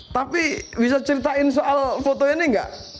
tapi bisa ceritain soal foto ini enggak